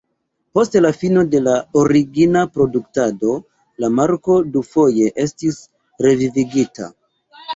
Post la fino de la origina produktado, la marko dufoje estis revivigita.